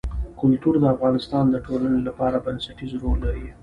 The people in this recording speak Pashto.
کلتور د افغانستان د ټولنې لپاره بنسټيز رول لري.